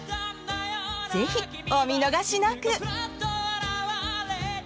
ぜひお見逃しなく！